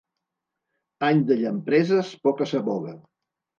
Any de llampreses, poca saboga.